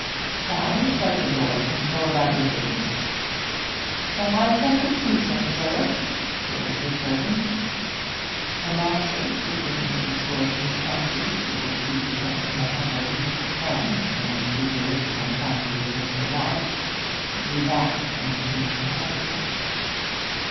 Sally, shut the door and go about your business.' 'Shall I fetch a p'liceman, sir?' shrilled the servant. Her master, sufficiently restored to his senses to perceive that he had not the least chance in a pugilistic encounter with Mr. Lott, drew back and seemed to hesitate.